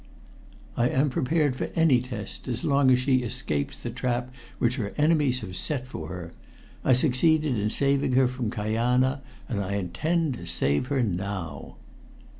"I am prepared for any test, as long as she escapes the trap which her enemies have set for her. I succeeded in saving her from Kajana, and I intend to save her now."